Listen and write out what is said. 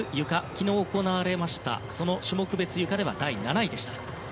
昨日、行われましたが種目別ゆかでは第７位でした。